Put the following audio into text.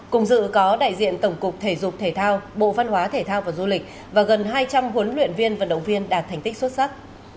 cùng dự có đại diện tổng cục thể dục thể thao bộ văn hóa thể thao và du lịch và gần hai trăm linh huấn luyện viên vận động viên đạt thành tích xuất sắc